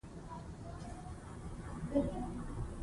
ظاهرشاه د ټولنې د پرمختګ او نظم لپاره نوې طرحې او اصلاحات پلې کړل.